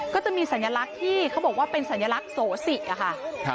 ก็จะมีสัญลักษณ์ที่เขาบอกว่าเป็นสัญลักษณ์โสสิค่ะ